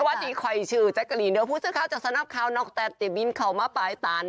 สวัสดีค่อยชื่อแจ๊กกะลีนเดี๋ยวพูดสินะครับจากสนับข้าวนอกแต่เต็ดบินเขามาปลายตาน